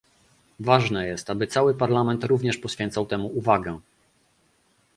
Ważne jest aby cały Parlament również poświęcał temu uwagę